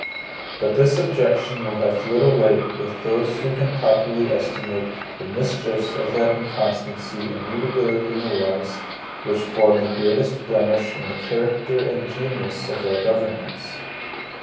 But this objection will have little weight with those who can properly estimate the mischiefs of that inconstancy and mutability in the laws, which form the greatest blemish in the character and genius of our governments.